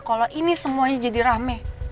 kalau ini semuanya jadi rame